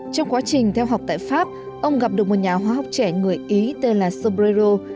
trong quá trình theo học tại pháp ông gặp được một nhà hóa học trẻ người ý tên là sobrero